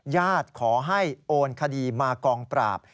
ญาติขอให้โอนคดีมากองปราบ